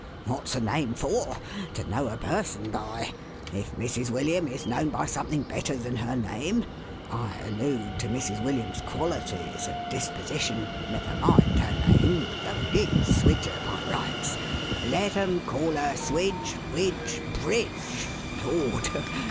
What's a name for? To know a pei son by. If Mrs. William is known by something better 426 THE HAUNTED MAN. than her name— I allude to Mrs. William's qualities and disposition— never mind her name, though it is Swidgcr, hy rights. Let 'em call her Swidge, Widge, Bridge — Lord